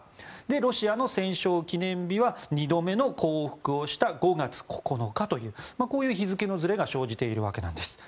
ロシアの戦勝記念日は２度目の降伏をした５月９日というこういう日付のずれが生じているわけなんです。